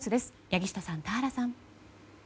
柳下さん、田原さん。